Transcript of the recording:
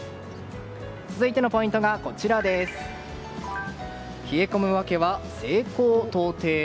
続いてのポイントが冷え込むワケは西高東低。